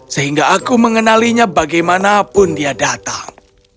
dan mengenalinya bagaimanapun dia datang